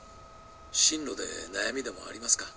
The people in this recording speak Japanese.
進路で悩みでもありますか？